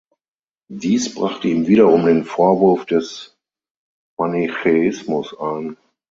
Dies brachte ihm wiederum den Vorwurf des Manichäismus ein.